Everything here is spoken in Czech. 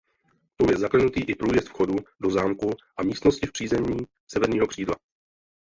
Tou je zaklenutý i průjezd vchodu do zámku a místnosti v přízemí severního křídla.